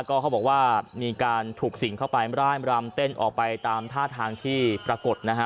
ก็เขาบอกว่ามีการถูกสิ่งเข้าไปร่ายรำเต้นออกไปตามท่าทางที่ปรากฏนะฮะ